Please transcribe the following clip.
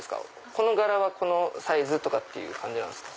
この柄はこのサイズとかって感じですか？